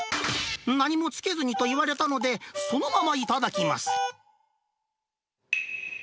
何もつけずにと言われたので、そのまま頂きます。